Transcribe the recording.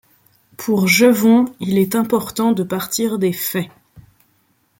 Pour Jevons, il est important de partir des faits.